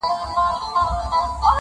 او خپل مفهوم ترې اخلي تل,